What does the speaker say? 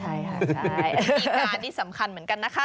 ใช่อีกการที่สำคัญเหมือนกันนะคะ